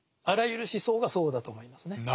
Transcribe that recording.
あらゆる思想がそうだと思いますね。